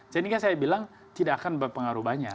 jadi kan saya bilang tidak akan berpengaruh banyak